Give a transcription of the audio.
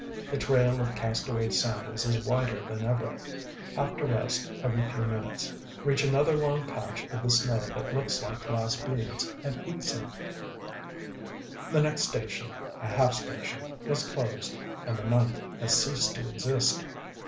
The trail of cast away sandals is wider than ever.... Have to rest every few minutes.... Reach another long patch of the snow that looks like glass beads, and eat some. The next station a half station is closed; and the ninth has ceased to exist....